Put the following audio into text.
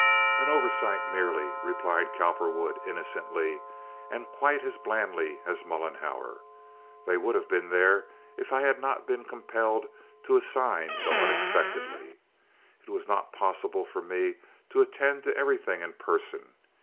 "An oversight, merely," replied Cowperwood, innocently, and quite as blandly as Mollenhauer. "They would have been there if I had not been compelled to assign so unexpectedly. It was not possible for me to attend to everything in person.